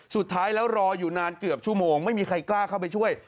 สุดท้ายแล้วรออยู่นานเกือบชั่วโมงไม่มีใครกล้าเข้าไปช่วย